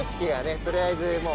とりあえずもう。